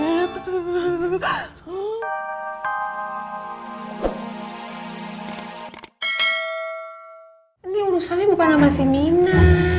ini urusannya bukan sama si mina